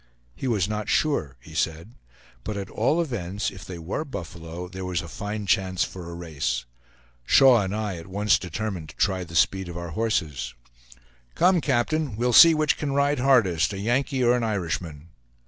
He was not sure, he said, but at all events, if they were buffalo, there was a fine chance for a race. Shaw and I at once determined to try the speed of our horses. "Come, captain; we'll see which can ride hardest, a Yankee or an Irishman."